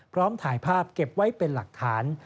พร้อมถ่ายภาพเก็บไว้เป็นหลักฐาน